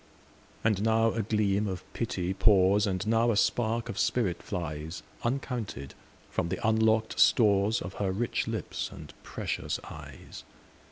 And now a gleam of pity pours, And now a spark of spirit flies, Uncounted, from the unlock'd storesOf her rich lips and precious eyes.